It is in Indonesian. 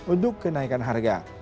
untuk kenaikan harga